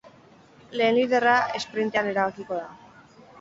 Lehen liderra esprintean erabakiko da.